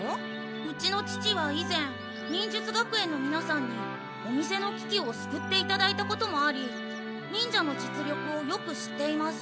うちの父は以前忍術学園のみなさんにお店の危機をすくっていただいたこともあり忍者の実力をよく知っています。